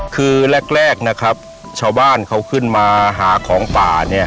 คือแรกนะครับชาวบ้านเขาขึ้นมาหาของป่าเนี่ย